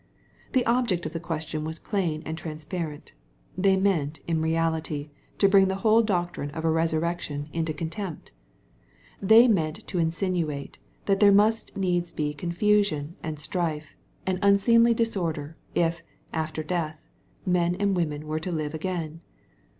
\ The object of the question was plain and transparent. They meant, in reality, to bring the whole doctrine of a resurrection into contempt. "NThey meant MATTHEW, CHAP. XXII. 289 to insinuate, that there must needs be confusion, and strife, and unseemly disorder, if, after death, men and women were to live again.